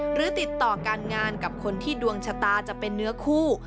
หรือติดต่อการงานกับคนที่ดวงชะตาจะเป็นเนื้อคู่